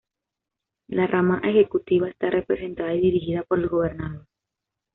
La Rama Ejecutiva está representada y dirigida por el Gobernador.